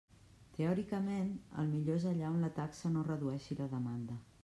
Teòricament, el millor és allà on la taxa no redueixi la demanda.